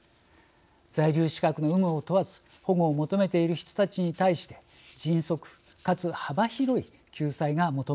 在留資格の有無を問わず保護を求めている人たちに対して迅速かつ幅広い救済が求められます。